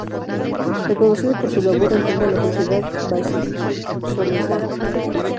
Reconocido por su labor en pro de la sociedad Vallisoletana.